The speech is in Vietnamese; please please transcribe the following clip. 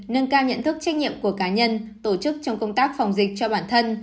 nâng cao nhận thức trách nhiệm của cá nhân tổ chức trong công tác phòng dịch cho bản thân